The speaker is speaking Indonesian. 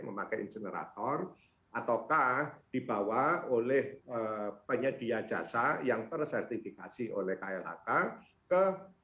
memakai insenerator ataukah dibawa oleh penyedia jasa yang tersertifikasi oleh klhk ke